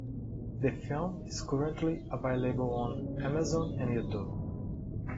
The film is currently available on Amazon and YouTube.